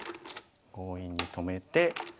強引に止めて。